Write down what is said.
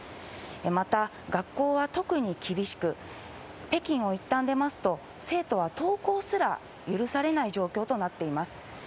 また学校は特に厳しく、北京をいったん出ますと、生徒は登校すら許されない状況となっています。